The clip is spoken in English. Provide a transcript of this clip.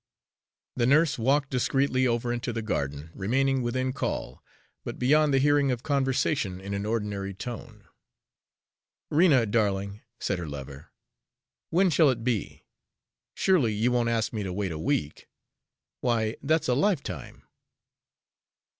The nurse walked discreetly over into the garden, remaining within call, but beyond the hearing of conversation in an ordinary tone. "Rena, darling," said her lover, "when shall it be? Surely you won't ask me to wait a week. Why, that's a lifetime!"